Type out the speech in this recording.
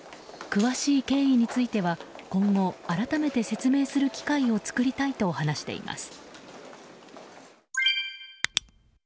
詳しい経緯については今後改めて説明する機会を作りたいと話しています。